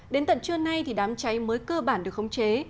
đến tận trưa nay thì đám cháy mới cơ bản được khống chế